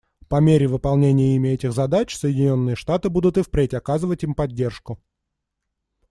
По мере выполнения ими этих задач Соединенные Штаты будут и впредь оказывать им поддержку.